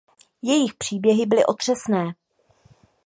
Jejich příběhy byly otřesné.